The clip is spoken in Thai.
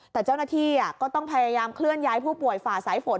แต่เจ้าหน้าที่ก็ต้องพยายามเคลื่อนย้ายผู้ป่วยฝ่าสายฝน